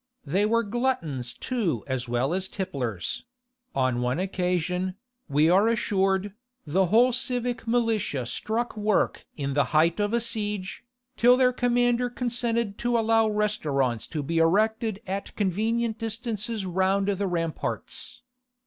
They were gluttons too as well as tipplers: on one occasion, we are assured, the whole civic militia struck work in the height of a siege, till their commander consented to allow restaurants to be erected at convenient distances round the ramparts.